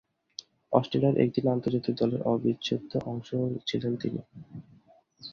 অস্ট্রেলিয়ার একদিনের আন্তর্জাতিক দলের অবিচ্ছেদ্য অংশ ছিলেন তিনি।